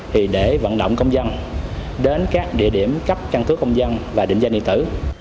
thì để vận động công dân đến các địa điểm cấp căn cước công dân và định danh điện tử